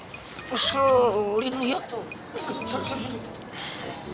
keselin lu yak tuh